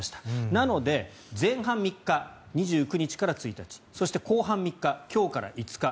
なので、前半３日２９日から１日そして、後半３日今日から５日。